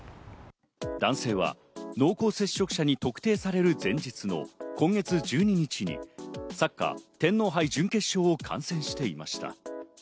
男性は濃厚接触者に特定される前日の今月１２日にサッカー天皇杯準決勝を観戦していました。